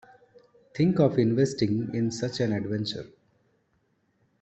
Think of investing in such an adventure.